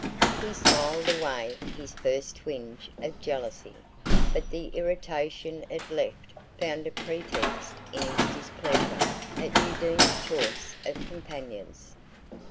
He smiled away this first twinge of jealousy, but the irritation it left found a pretext in his displeasure at Undine's choice of companions.